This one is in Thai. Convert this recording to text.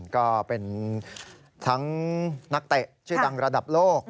ก็เป็นทั้งนักเตะชื่อดังระดับโลก